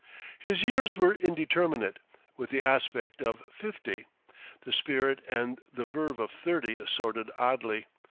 His years were indeterminate; with the aspect of fifty, the spirit and the verve of thirty assorted oddly.